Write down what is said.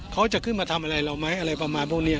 เขาจะขึ้นมาทำอะไรเราไหมอะไรประมาณพวกนี้